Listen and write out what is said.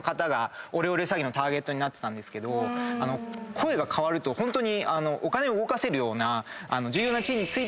声が変わるとホントに。